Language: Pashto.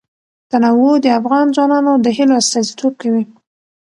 تنوع د افغان ځوانانو د هیلو استازیتوب کوي.